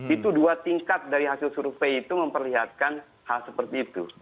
itu dua tingkat dari hasil survei itu memperlihatkan hal seperti itu